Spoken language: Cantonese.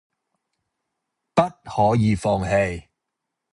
不可以放棄！